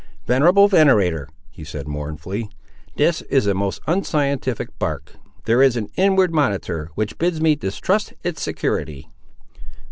"Venerable venator," he said, mournfully, "this is a most unscientific bark. There is an inward monitor which bids me distrust its security!"